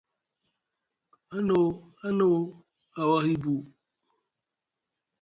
Ana ana a wa ahi bu.